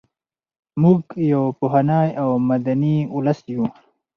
موږ یو پخوانی او مدني ولس یو.